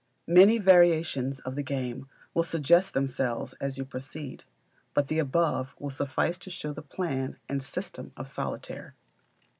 Many variations of the game will suggest themselves as you proceed; but the above will suffice to show the plan and system of Solitaire.